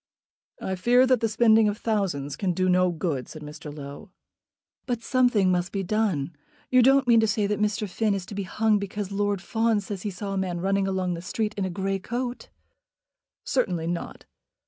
"I fear that the spending of thousands can do no good," said Mr. Low. "But something must be done. You don't mean to say that Mr. Finn is to be hung because Lord Fawn says that he saw a man running along the street in a grey coat." "Certainly not."